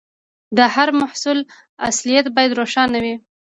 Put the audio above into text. د هر محصول اصليت باید روښانه وي.